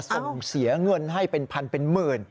ส่งเสียเงินให้เป็นพันเป็นหมื่น